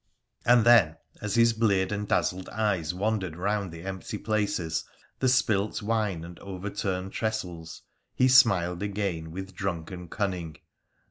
' And then, as his bleared and dazzled eyes wandered round the empty places, the spilt wine and overturned trestles, he smiled again with drunken cunning.